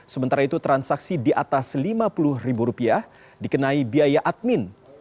sementara itu transaksi di atas rp lima puluh dikenai biaya admin